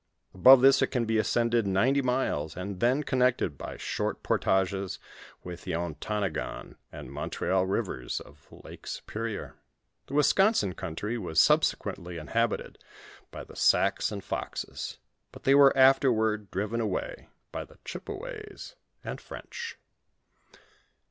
Above this it can be ascended ninety milei^ and is then connected by short portages with the Ontonagon and Mon treal rivers of Lake Superior. The Wisconsin country was subsequently in habited by the Sacs and Foxe^ but they were afterward driven away by tbe Chippeways and French.